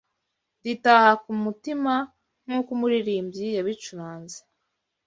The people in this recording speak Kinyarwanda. ritaha ku mutima nk’uko umuririmbyi yabicuranze